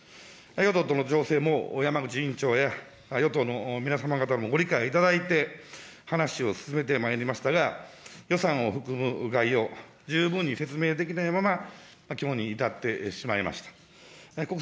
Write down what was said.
与党との調整も山口委員長や、与党の皆様方のご理解をいただいて、話を進めてまいりましたが、予算を含む概要、十分に説明できないままきょうに至ってしまいました。